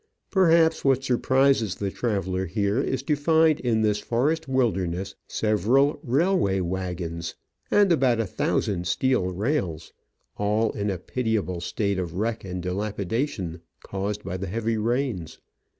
Perhaps what surprises the traveller here is to find in this forest wilderness several railway waggons and about a thousand steel rails, all in a pitiful state of wreck and dilapidation, caused by the heavy rains.